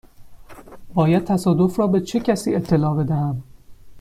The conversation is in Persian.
باید تصادف را به چه کسی اطلاع بدهم؟